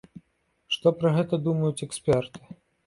Што пра гэта думаюць эксперты?